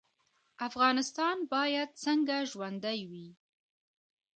افغانستان باید څنګه ژوندی وي؟